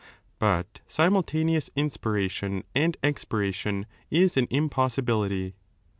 But simul taneous inspiration and expiration is an impossibility.